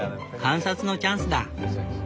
観察のチャンスだ。